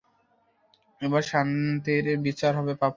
এবার শান্তির বিচার হবে পাপ্পু।